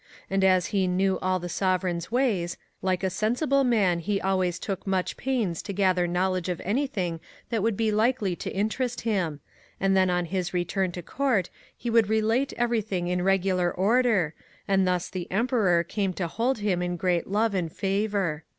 ] And, as he knew all the sovereign's ways, Chap. XVII. MAKC'O (JROWS IN FAVOUR 3 1 like a sensible man he always took much pains to gather knowledge of anything that would be likely to interest him, and then on his return to Court he would relate everything in regular order, and thus the Emperor came to hold him in great love and favour.